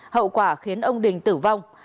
hậu quả khiến ông đình tử vong